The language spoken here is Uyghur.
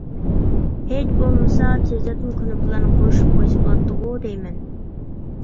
ھېچ بولمىسا، تېزلەتمە كۇنۇپكىلارنى قوشۇپ قويسا بولاتتىغۇ دەيمەن.